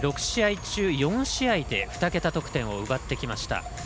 ６試合中４試合で２桁得点を奪ってきました。